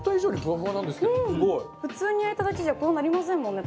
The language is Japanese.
普通に焼いただけじゃこうなりませんもんね